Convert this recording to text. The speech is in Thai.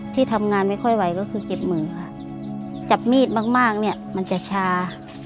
ที่ทำงานไม่ค่อยไหวก็คือเจ็บมือค่ะจับมีดมากมากเนี่ยมันจะชา